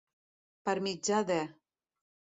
Per mitjà de.